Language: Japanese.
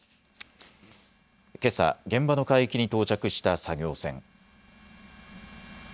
けさ現場の海域に到着した作業船。